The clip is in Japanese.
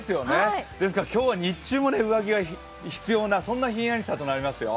今日は日中も上着が必要な、そんなひんやりさとなりますよ。